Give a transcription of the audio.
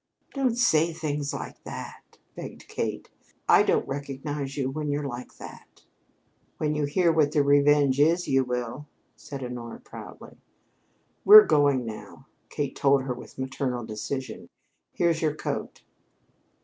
"Don't say things like that," begged Kate. "I don't recognize you when you're like that." "When you hear what the revenge is, you will," said Honora proudly. "We're going now," Kate told her with maternal decision. "Here's your coat."